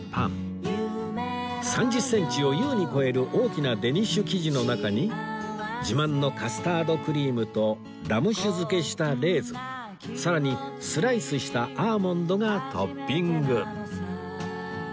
３０センチを優に超える大きなデニッシュ生地の中に自慢のカスタードクリームとラム酒漬けしたレーズンさらにスライスしたアーモンドがトッピング